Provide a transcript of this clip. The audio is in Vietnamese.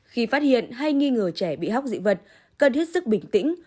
khi phát hiện hay nghi ngờ trẻ bị hóc dị vật cần hết sức bình tĩnh